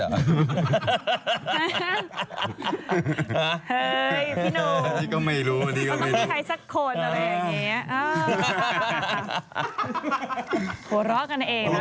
เฮ้ยพี่หนุ่มพี่ก็ไม่รู้พี่ก็ไม่รู้มันต้องมีใครสักคนอะไรอย่างเงี้ยเอ้า